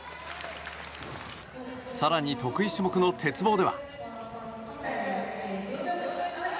更に得意種目の鉄棒では。